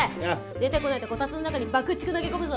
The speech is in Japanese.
出てこないとこたつの中に爆竹投げ込むぞ？